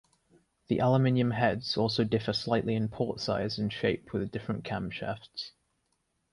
The aluminium heads also differ slightly in port size and shape with different camshafts.